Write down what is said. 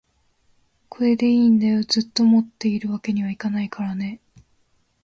これでいいんだよ、ずっと持っているわけにはいけないからね